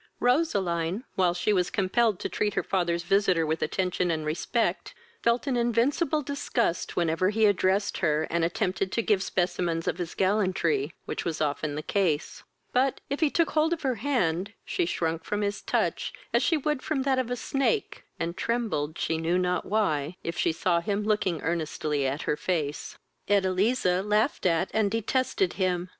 Roseline, while she was compelled to treat her father's visitor with attention and respect, felt an invincible disgust whenever he addressed her, and attempted to give specimens of his gallantry, which was often the case; but, if he took hold of her hand, she shrunk from his touch as she would from that of a snake, and trembled, she knew not why, if she saw him looking earnestly at her face. Edeliza laughed at and detested him.